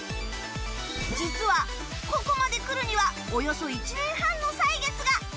実はここまでくるにはおよそ１年半の歳月が！